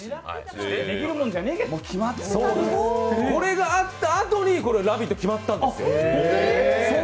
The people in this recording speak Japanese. これがあったあとに「ラヴィット！」、決まったんですよ。